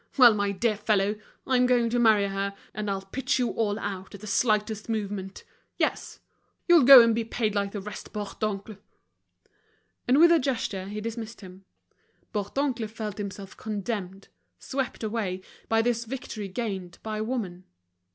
Well, my dear fellow, I'm going to marry her, and I'll pitch you all out at the slightest movement. Yes, you'll go and be paid like the rest, Bourdoncle." And with a gesture he dismissed him. Bourdoncle felt himself condemned, swept away, by this victory gained by woman.